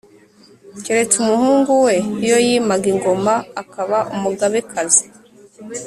keretse umuhungu we iyo yimaga ingoma, akaba Umugabekazi.